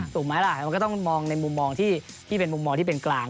ถูกมั้ยล่ะมันก็ต้องมองในมุมมองที่เป็นกลาง